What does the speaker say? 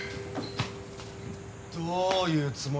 どういうつもりだよ？